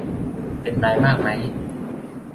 เป็นไรมากไหม